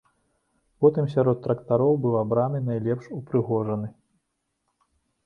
Потым сярод трактароў быў абраны найлепш упрыгожаны.